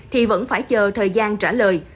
thì vẫn phải chờ thời gian trả lời